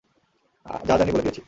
যা জানি বলে দিয়েছি।